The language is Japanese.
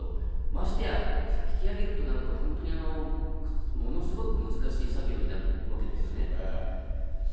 ましてや、引き揚げるとなると、本当にものすごく難しい作業になるわけですよね。